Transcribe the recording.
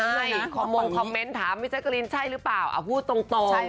ทุกคนขอบมือคอมเม้นต์ทำพี่ชักกริลอ่ะพูดตรง